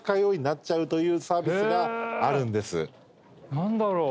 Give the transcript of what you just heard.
何だろう？